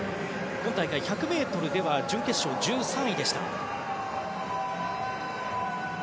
今大会１００ｍでは準決勝１３位でした。